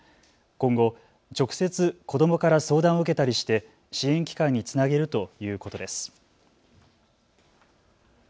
今後、直接、子どもから相談を受けたりして支援機関につなぐということです。